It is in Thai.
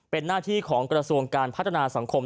เป็นหน้าที่ของกระทรวงการพัฒนาสังคม